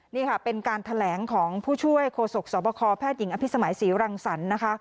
นี่ค่ะเป็นการแถลงของผู้ช่วยโฆษกสบคแพทย์หญิงอภิษมัยศรีรังสรรค์นะคะ